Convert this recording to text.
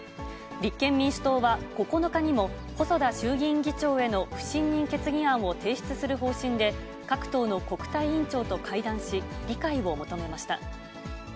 立憲民主党は９日にも、細田衆議院議長への不信任決議案を提出する方針で、各党の国対委員長と会談し、理解を求めました。